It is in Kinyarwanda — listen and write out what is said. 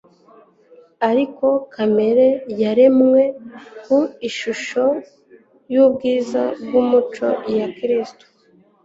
Ariko kamere yaremwe ku ishusho y'ubwiza bw'imico ya Kristo,